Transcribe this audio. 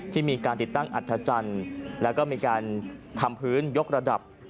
ที่มีการติดตั้งอัธจันทร์แล้วก็มีการทำพื้นยกระดับ